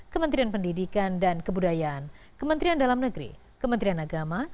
kementerian pendidikan dan kebudayaan kementerian dalam negeri kementerian agama